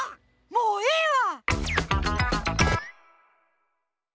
もうええわ！